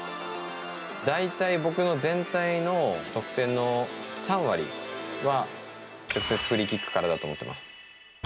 大体、僕の全体の得点の３割は直接フリーキックからだと思っています。